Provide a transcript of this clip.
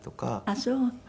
あっそう。